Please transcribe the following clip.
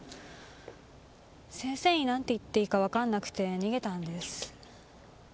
先生になんて言っていいかわかんなくて逃げたんです。